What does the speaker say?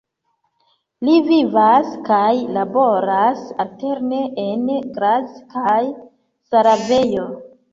Li vivas kaj laboras alterne en Graz kaj Sarajevo.